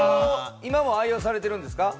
今も愛用されてるんですか？